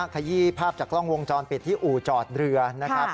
ขยี้ภาพจากกล้องวงจรปิดที่อู่จอดเรือนะครับ